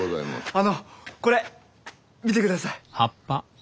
あのこれ見てください。